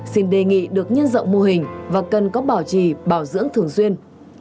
xin đề nghị được nhân rộng mô hình và cần có bảo trì bảo dưỡng thường xuyên